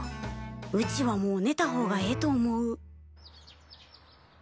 うちはもうねた方がええと思う。